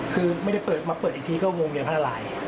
คือไม่ได้มาเปิดอีกทีก็วงมีโค้งฮาลาย